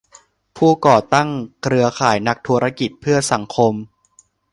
ผู้ก่อตั้งเครือข่ายนักธุรกิจเพื่อสังคม